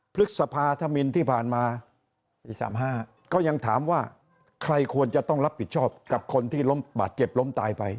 พฤษภาธมินที่ผ่านมาปี๓๕ก็ยังถามว่าใครควรจะต้องรับผิดชอบกับคนที่ล้มบาดเจ็บล้มตายไป